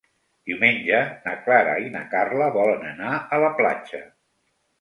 Diumenge na Clara i na Carla volen anar a la platja.